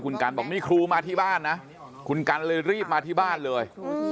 คุณกัลจอมพลังบอกจะมาให้ลบคลิปได้อย่างไร